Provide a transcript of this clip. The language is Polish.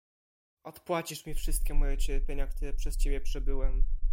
"Odpłacisz mi wszystkie moje cierpienia, które przez ciebie przebyłem!"